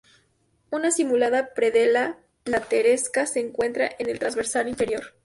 Una simulada predela plateresca se encuentra en el transversal inferior.